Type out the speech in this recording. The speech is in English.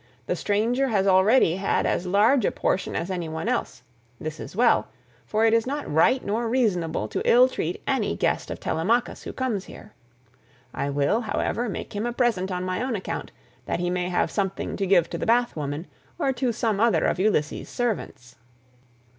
The stranger has already had as large a portion as any one else; this is well, for it is not right nor reasonable to ill treat any guest of Telemachus who comes here. I will, however, make him a present on my own account, that he may have something to give to the bath woman, or to some other of Ulysses' servants."